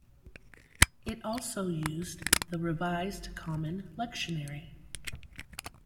It also used the Revised Common Lectionary.